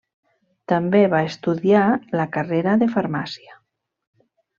També va estudiar la carrera de farmàcia.